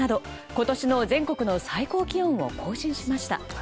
今年の全国の最高気温を更新しました。